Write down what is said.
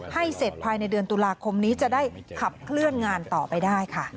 ให้เสร็จภายในเดือนตุลาคมนี้จะได้ขับเคลื่อนงานต่อไปได้ค่ะ